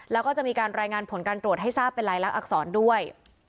แล้วก็จะมีการรายงานผลการตรวจให้ทราบเป็นลายลักษรด้วย